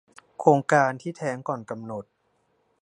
โครงการที่แท้งก่อนกำหนด